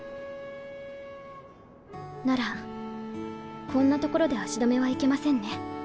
ならこんな所で足止めはいけませんね。